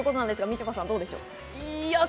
みちょぱさん、どうでしょう？